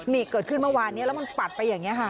นี่เกิดขึ้นเมื่อวานนี้แล้วมันปัดไปอย่างนี้ค่ะ